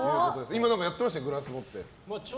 今やってましたね、グラス持って。